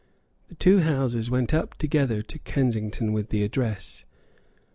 The two Houses went up together to Kensington with the address.